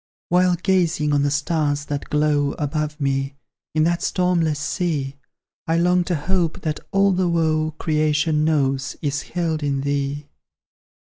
While gazing on the stars that glow Above me, in that stormless sea, I long to hope that all the woe Creation knows, is held in thee!